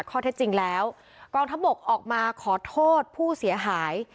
ข้อเท็จจริงแล้วกองทัพบกออกมาขอโทษผู้เสียหาย